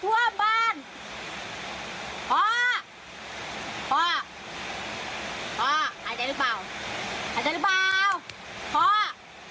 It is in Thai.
น้ำท่วมคันฤทธิ์หาดแล้วไอ้พ่อหายได้หรือเปล่าพ่อ